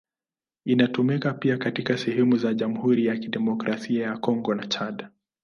Inatumika pia katika sehemu za Jamhuri ya Kidemokrasia ya Kongo na Chad.